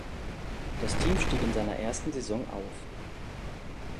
Das Team stieg in seiner ersten Saison auf.